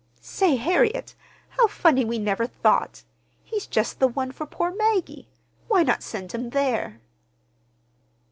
"Say, Harriet, how funny we never thought! He's just the one for poor Maggie! Why not send him there?"